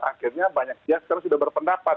akhirnya banyak pihak sekarang sudah berpendapat